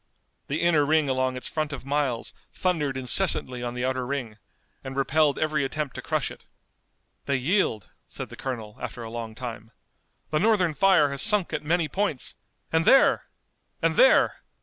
The inner ring along its front of miles thundered incessantly on the outer ring, and repelled every attempt to crush it. "They yield," said the colonel, after a long time. "The Northern fire has sunk at many points, and there! and there!